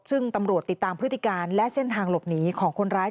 ซึ่งตำรวจติดตามพฤติการและเส้นทางหลบหนีของคนร้าย